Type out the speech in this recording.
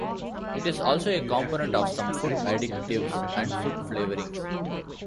It is also a component of some food additives and food flavorings.